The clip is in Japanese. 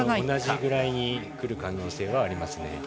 同じぐらいにくる可能性はありますね。